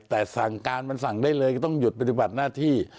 แต่สั่งการมันสั่งได้เลยก็ต้องหยุดปฏิบัติหน้าที่